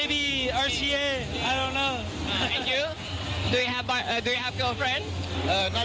ที่สนชนะสงครามเปิดเพิ่ม